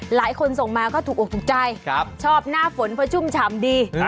ส่งมาก็ถูกอกถูกใจชอบหน้าฝนเพราะชุ่มฉ่ำดี